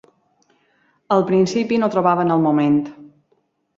Al principi no trobaven el moment.